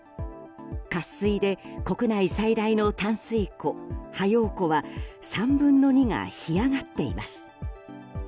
渇水で、国内最大の淡水湖は陽湖は３分の２が干上がっています。